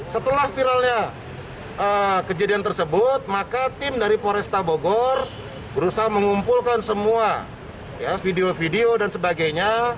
setelah viralnya kejadian tersebut maka tim dari poresta bogor berusaha mengumpulkan semua video video dan sebagainya